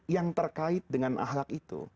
yang terkait dengan ahlak itu